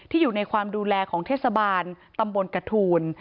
อยู่ในความดูแลของเทศบาลตำบลกระทูล